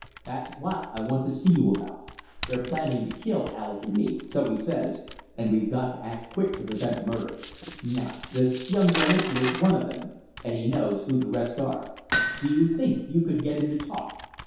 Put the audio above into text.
That's what I want to see you about. They're planning to kill Alec and me so he says and we've got to act quick to prevent murder. Now, this young Glenister is one of them, and he knows who the rest are. Do you think you could get him to talk?"